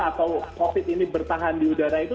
atau covid ini bertahan di udara itu